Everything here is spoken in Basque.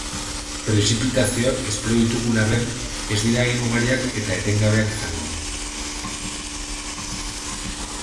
Prezipitazioak espero ditugun arren, ez dira hain ugariak eta etengabeak izango.